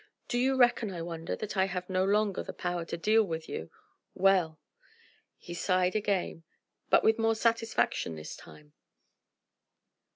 Do you reckon, I wonder, that I have no longer the power to deal with you? Well!..." He sighed again but with more satisfaction this time.